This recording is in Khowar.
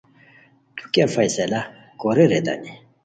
تو کیہ فیصلہ کورے ریتانی